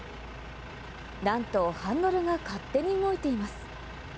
なんとハンドルが勝手に動いています。